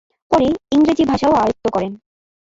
পরে ইংরেজি ভাষাও আয়ত্ত করেন।